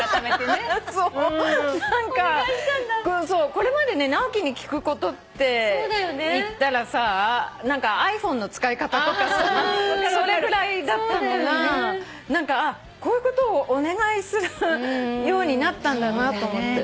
これまでね直樹に聞くことっていったらさｉＰｈｏｎｅの使い方とかさそれぐらいだったのがこういうことをお願いするようになったんだなと思って。